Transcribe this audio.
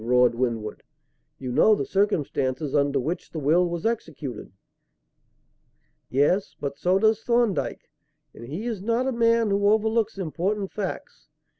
roared Winwood. "You know the circumstances under which the will was executed." "Yes; but so does Thorndyke. And he is not a man who overlooks important facts.